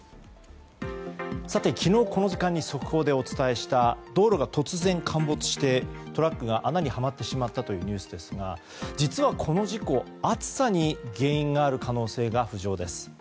昨日この時間に速報でお伝えした道路が突然陥没して、トラックが穴にはまってしまったというニュースですが実は、この事故暑さに原因がある可能性が浮上です。